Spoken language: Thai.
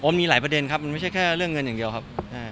มีหลายประเด็นครับมันไม่ใช่แค่เรื่องเงินอย่างเดียวครับ